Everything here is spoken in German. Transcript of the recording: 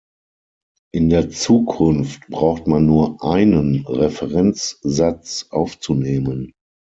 In der Zukunft braucht man nur einen Referenz-Satz aufzunehmen.